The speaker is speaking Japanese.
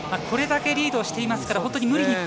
これだけリードしていますから。